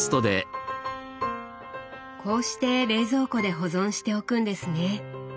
こうして冷蔵庫で保存しておくんですね。